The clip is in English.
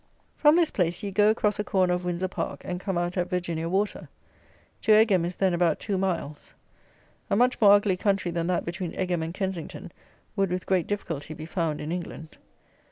From this place you go across a corner of Windsor Park, and come out at Virginia Water. To Egham is then about two miles. A much more ugly country than that between Egham and Kensington would with great difficulty be found in England.